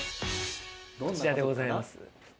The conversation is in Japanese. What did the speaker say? こちらでございます。